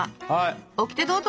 オキテどうぞ！